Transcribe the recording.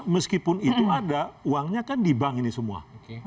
meskipun itu ada uangnya kan di bank ini semua